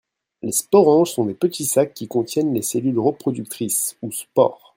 les sporanges sont des petits sacs qui contiennent les cellules reproductrices, ou spores.